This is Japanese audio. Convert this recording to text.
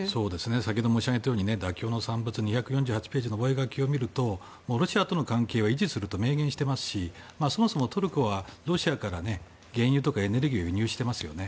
先ほど申し上げたように妥協の産物２４８ページの覚書を見るとロシアとの関係を維持すると明言していますしそもそもトルコはロシアから原油とかエネルギーを輸入していますよね。